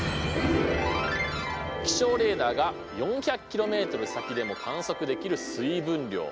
気象レーダーが４００キロメートル先でも観測できる水分量。